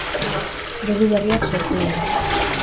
Eredu berriak sortu dira.